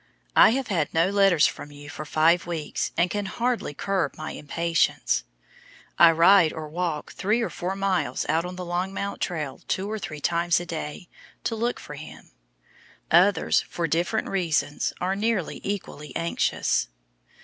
I have had no letters from you for five weeks, and can hardly curb my impatience. I ride or walk three or four miles out on the Longmount trail two or three times a day to look for him. Others, for different reasons, are nearly equally anxious.